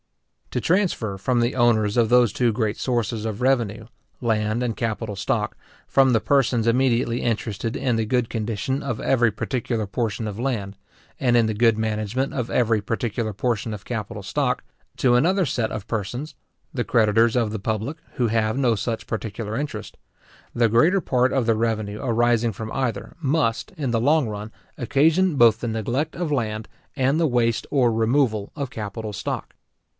To transfer from the owners of those two great sources of revenue, land, and capital stock, from the persons immediately interested in the good condition of every particular portion of land, and in the good management of every particular portion of capital stock, to another set of persons (the creditors of the public, who have no such particular interest ), the greater part of the revenue arising from either, must, in the long run, occasion both the neglect of land, and the waste or removal of capital stock.